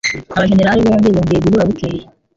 Abajenerali bombi bongeye guhura bukeye.